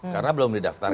karena belum didaftarkan